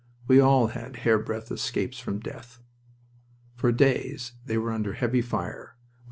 We all had hairbreadth escapes from death." For days they were under heavy fire, with 9.